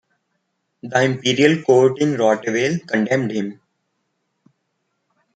The Imperial court in Rottweil condemned him.